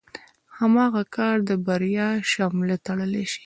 هماغه کار د بريا شمله تړلی شي.